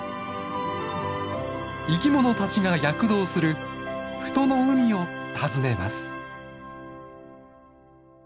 生きものたちが躍動する富戸の海を訪ねます。